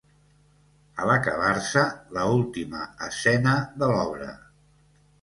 ...a l'acabar-se la última escena de l'obra